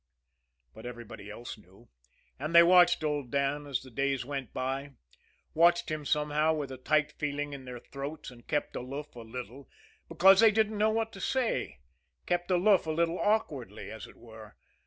But everybody else knew, and they watched old Dan as the days went by, watched him somehow with a tight feeling in their throats, and kept aloof a little because they didn't know what to say kept aloof a little awkwardly, as it were.